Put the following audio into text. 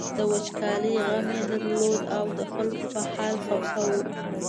د وچکالۍ غم یې درلود او د خلکو په حال خپه و.